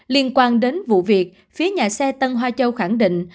liên quan đến vụ việc phía nhà xe tân hoa châu khẳng định